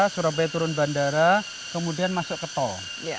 surabaya turun bandara kemudian masuk ke tol